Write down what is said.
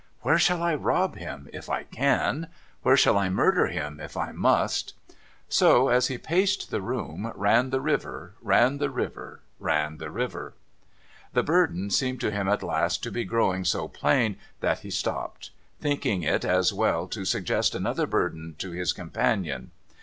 ' Where shall I rob him, if I can ? Where shall I murder him, if I must ?' So, as he paced the room, ran the river, ran the river, ran the river. The burden seemed to him, at last, to be growing so plain, that he stopped; thinking it as well to suggest another burden to his companion.